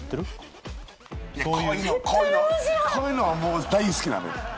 こういうのは大好きなのよ。